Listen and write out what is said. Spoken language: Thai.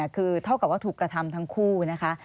คือเท่ากับว่าถูกกระทำทั้งคู่นะคะ